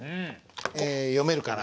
読めるかな？